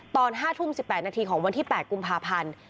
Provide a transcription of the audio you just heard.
ตอน๕ทุ่ม๑๘นาทีของวันที่๘กุมภาพันธ์